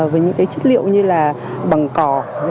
với những cái chất liệu như là bằng cỏ